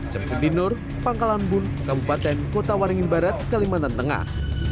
jemput di nur pangkalan bun kabupaten kota waringin barat kalimantan tengah